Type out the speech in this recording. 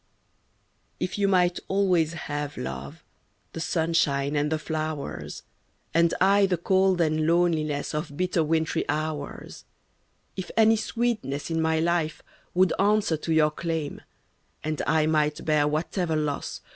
F you might always have, love, The sunshine and the flowers, And I the cold and loneliness Of bitter wintry hours, — If any sweetness in my life Would answer to your claim, And I might bear whatever loss.